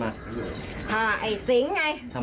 พระต่ายสวดมนต์